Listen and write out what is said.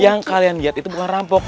yang kalian lihat itu bukan rampok